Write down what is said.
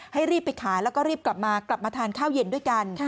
รีบไปขายแล้วก็รีบกลับมากลับมาทานข้าวเย็นด้วยกัน